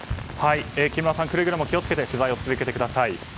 木村さん、くれぐれも気を付けて取材を続けてください。